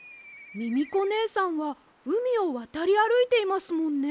ミミコねえさんはうみをわたりあるいていますもんね。